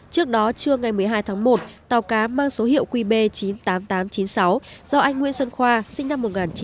trước đó trưa ngày một mươi hai tháng một tàu cá mang số hiệu qb chín mươi tám nghìn tám trăm chín mươi sáu do anh nguyễn xuân khoa sinh năm một nghìn chín trăm tám mươi